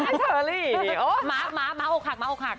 ไอ้เธอลี่โอ๊ยมั๊กมั๊กโอ๊คหัก